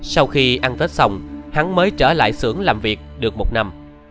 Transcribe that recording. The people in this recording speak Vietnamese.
sau khi ăn tết xong hắn mới trở lại xưởng làm việc được một năm